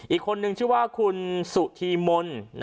อีกคนนึงชื่อว่าคุณสุธีมนต์